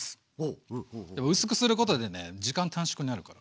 薄くすることでね時間短縮になるから。